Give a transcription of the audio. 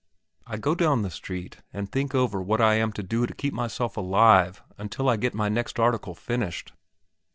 I go down the street and think over what I am to do to keep myself alive until I get my next article finished.